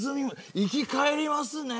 生き返りますね！